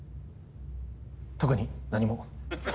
特に何も。